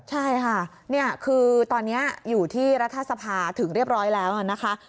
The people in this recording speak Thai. ใช่ค่ะนี่คือตอนนี้อยู่ที่รัฐสภาถึงเรียบร้อยแล้วนะคะ